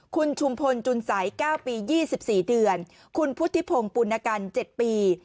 คุณชุมพลจุนสัย๙ปี๒๔เดือนคุณพุทธิพงศ์ปุณกัน๗ปี